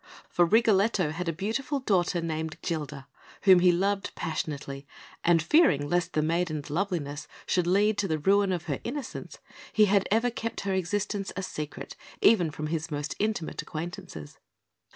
For Rigoletto had a beautiful daughter, named Gilda, whom he loved passionately, and fearing lest the maiden's loveliness should lead to the ruin of her innocence, he had ever kept her existence a secret even from his most intimate acquaintances.